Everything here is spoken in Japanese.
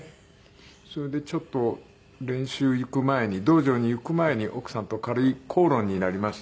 それでちょっと練習行く前に道場に行く前に奥さんと軽い口論になりまして。